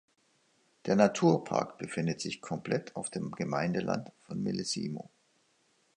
Der Naturpark befindet sich komplett auf dem Gemeindeland von Millesimo.